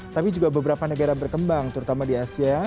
tapi juga beberapa negara berkembang terutama di asia